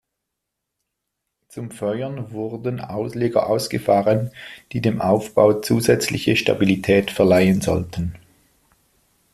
Zum Feuern wurden Ausleger ausgefahren, die dem Aufbau zusätzliche Stabilität verleihen sollten.